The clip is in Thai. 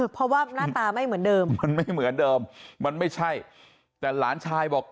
เพราะว่าหน้าตาไม่เหมือนเดิมมันไม่เหมือนเดิมมันไม่ใช่แต่หลานชายบอก